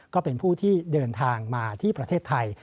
ก็เป็นผู้ที่เดินทางมาที่ประเทศไทย